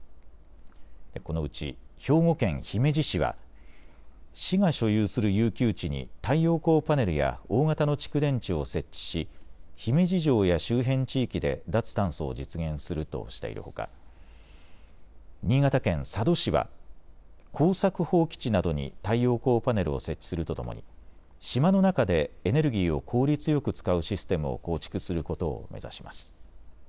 このうち兵庫県姫路市は市が所有する遊休地に太陽光パネルや大型の蓄電池を設置し姫路城や周辺地域で脱炭素を実現するとしているほか新潟県佐渡市は耕作放棄地などに太陽光パネルを設置するとともに島の中でエネルギーを効率よく使うシステムを構築することを目指します。